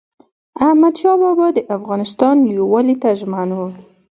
احمدشاه بابا د افغانستان یووالي ته ژمن و.